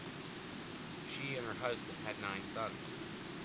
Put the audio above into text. She and her husband had nine sons.